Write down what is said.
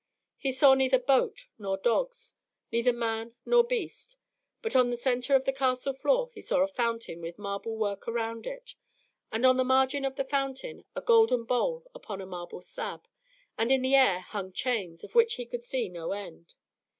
He saw neither boar nor dogs, neither man nor beast; but on the centre of the castle floor he saw a fountain with marble work around it, and on the margin of the fountain a golden bowl upon a marble slab, and in the air hung chains, of which he could see no end.